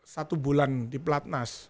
satu bulan di platnas